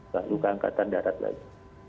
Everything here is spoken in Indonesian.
lalu ke angkatan darat lagi